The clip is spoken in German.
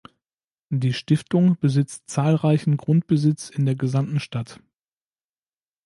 Die Stiftung besitzt zahlreichen Grundbesitz in der gesamten Stadt.